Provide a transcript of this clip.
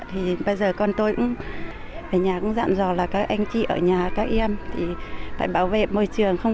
thì bây giờ con tôi cũng về nhà cũng dặn dò là các anh chị ở nhà các em thì phải bảo vệ môi trường không vứt rác bừa bãi phải đốt rác phải có hút rác đồng hoàng